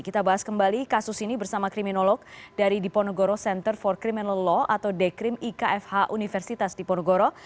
kita bahas kembali kasus ini bersama kriminolog dari diponegoro center for criminal law atau dekrim ikfh universitas diponegoro